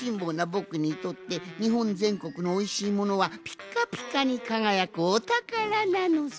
ぼくにとってにほんぜんこくのおいしいものはピッカピカにかがやくお宝なのさ！